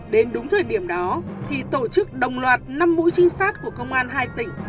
đến đúng thời điểm đó thì tổ chức đồng loạt năm mũi trinh sát của công an hai tỉnh